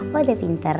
wah udah pinter